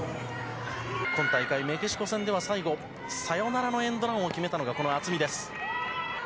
今大会、メキシコ戦では最後、サヨナラのエンドランを決めたのが、この渥美です。